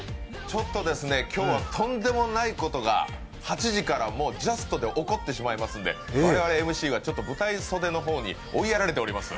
ちょっと今日はとんでもないことが８時から、もうジャストで起こってしまうので我々、ＭＣが舞台袖の方に追いやられています。